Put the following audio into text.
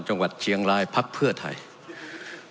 จังหวัดเชียงรายพักเพื่อไทย